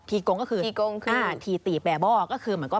ทีกงก็คือทีตีแบบว่าก็คือเหมือนกับ